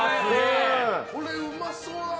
これ、うまそうだな。